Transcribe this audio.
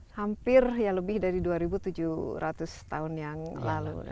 hampir ya lebih dari dua tujuh ratus tahun yang lalu